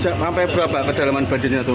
sampai berapa kedalaman baju baju